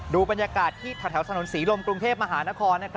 บรรยากาศที่แถวถนนศรีลมกรุงเทพมหานคร